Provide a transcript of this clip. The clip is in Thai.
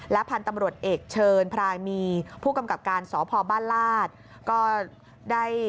พันธุ์ตำรวจเอกเชิญพรายมีผู้กำกับการสพบ้านลาดก็ได้